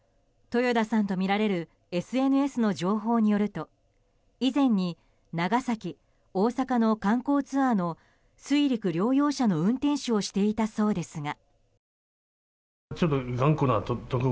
豊田さんとみられるＳＮＳの情報によると以前に長崎、大阪の観光ツアーの水陸両用車の運転手をしていたそうですが。